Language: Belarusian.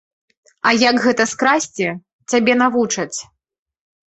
А як гэта скрасці, цябе навучаць.